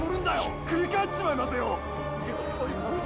「ひっくり返っちまいますよ」